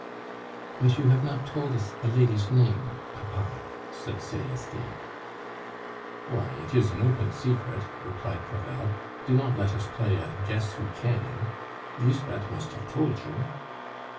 "But you have not told us the lady's name, papa," said Celestine. "Why, it is an open secret," replied Crevel. "Do not let us play at guess who can! Lisbeth must have told you."